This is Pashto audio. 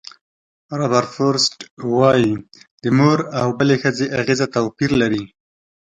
رابرټ فروسټ وایي د مور او بلې ښځې اغېزه توپیر لري.